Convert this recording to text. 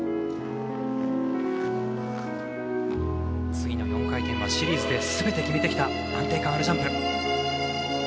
次の４回転はシリーズですべて決めてきた安定感あるジャンプ。